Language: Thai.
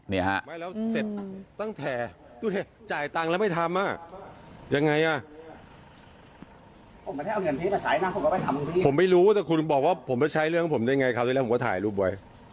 ไม่รู้จับจ่ายตังไม่ทำไม่รู้ต้องใช้เลือดผมได้ไงมาว่าถ่ายรูปไว้